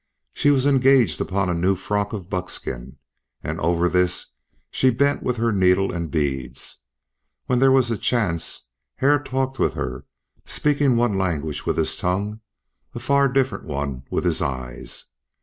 She was engaged upon a new frock of buckskin, and over this she bent with her needle and beads. When there was a chance Hare talked with her, speaking one language with his tongue, a far different one with his eyes.